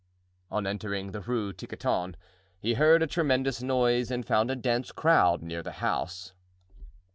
On entering the Rue Tiquetonne he heard a tremendous noise and found a dense crowd near the house.